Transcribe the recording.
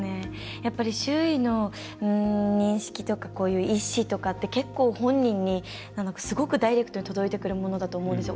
やっぱり周囲の認識とかこういう意思とかって結構本人に、すごくダイレクトに届いてくるものだと思うんですよ。